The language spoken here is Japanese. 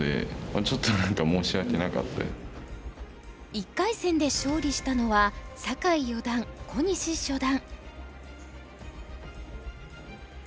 １回戦で勝利したのは酒井四段小西初段。